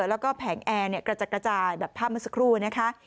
แล้วก็แผงแอร์เนี่ยกระจักกระจายแบบผ้ามันสกรูนะคะ